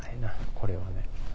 これはね。